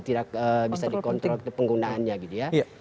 tidak bisa dikontrol penggunaannya gitu ya